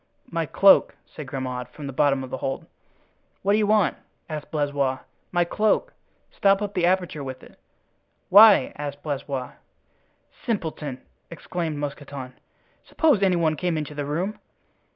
"My cloak," said Grimaud, from the bottom of the hold. "What do you want?" asked Blaisois. "My cloak—stop up the aperture with it." "Why?" asked Blaisois. "Simpleton!" exclaimed Mousqueton; "suppose any one came into the room."